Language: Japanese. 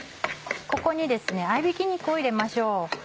ここに合びき肉を入れましょう。